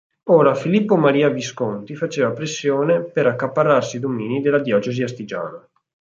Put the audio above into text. Ora, Filippo Maria Visconti faceva pressione per accaparrarsi domini della diocesi astigiana.